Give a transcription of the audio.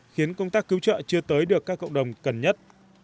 khiến công tác cứu trợ chưa tới được các cộng đồng cần nhất